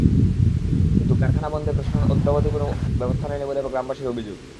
কিন্তু কারখানা বন্ধে প্রশাসন অদ্যাবধি কোনো ব্যবস্থা নেয়নি বলে গ্রামবাসীর অভিযোগ।